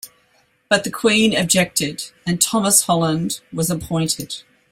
But the Queen objected, and Thomas Holland was appointed.